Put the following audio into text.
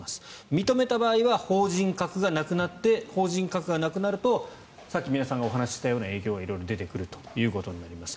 認めた場合は法人格がなくなって法人格がなくなるとさっき皆さんがお話したような影響が出てくるということになります。